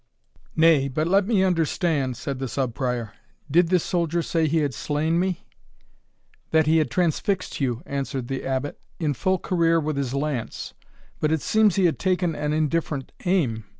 "Nay, but let me understand," said the Sub Prior; "did this soldier say he had slain me?" "That he had transfixed you," answered the Abbot, "in full career with his lance but it seems he had taken an indifferent aim.